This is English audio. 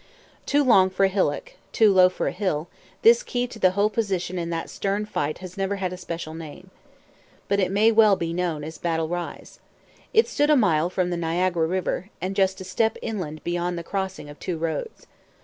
Too long for a hillock, too low for a hill, this key to the whole position in that stern fight has never had a special name. But it may well be known as Battle Rise. It stood a mile from the Niagara river, and just a step inland beyond the crossing of two roads.